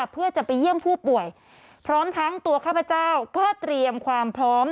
เพื่อจะไปเยี่ยมผู้ป่วยพร้อมทั้งตัวข้าพเจ้าก็เตรียมความพร้อม